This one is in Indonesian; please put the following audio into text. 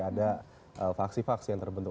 ada vaksi vaksi yang terbentuk